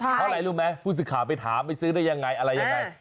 อะไรรู้ไหมผู้สึกขาไปถามไปซื้อได้ยังไงอะไรยังไง